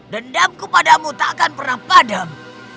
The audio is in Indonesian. dendamku padamu tak akan pernah padam